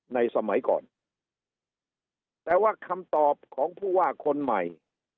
สมัยก่อนแต่ว่าคำตอบของผู้ว่าคนใหม่